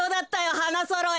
花そろえ。